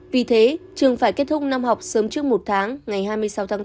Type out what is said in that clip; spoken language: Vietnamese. vì thế trường phải kết thúc năm học sớm trước một tháng ngày hai mươi sáu tháng bốn